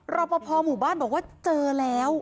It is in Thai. รอปภหมู่บ้านบอกว่าเจอแล้ว